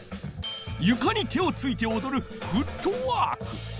ゆかに手をついておどる「フットワーク」。